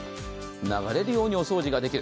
流れるようにお掃除ができる。